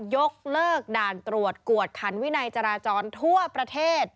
ยกเลิกด่านตรวจกวดขันวินัยจราจรทั่วประเทศ